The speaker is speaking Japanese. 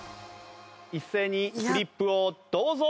一斉にフリップをどうぞ！